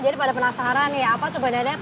jadi pada penasaran ya apa sebenarnya torpedo